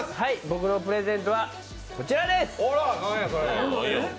僕のプレゼントはこちらです。